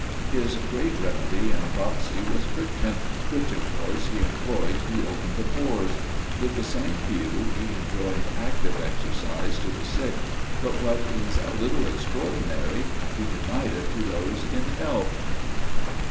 His great remedy in dropsy was friction, which, of course, he employed to open the pores. With the same view, he enjoined active exercise to the sick; but what is a little extraordinary, he denied it to those in health.